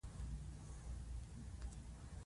زه خپل استعدادونه پېژنم.